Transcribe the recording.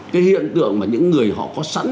cái hiện tượng mà những người họ có sẵn